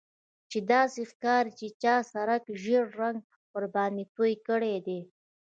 چې داسې ښکاري چا د سړک ژیړ رنګ ورباندې توی کړی دی